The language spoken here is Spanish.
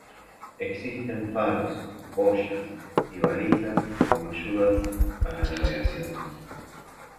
Existen faros, boyas y balizas como ayudas a la navegación.